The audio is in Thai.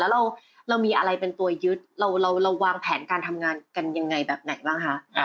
แล้วเรามีอะไรเป็นตัวยึดเราวางแผนการทำงานกันยังไงแบบไหนบ้างคะ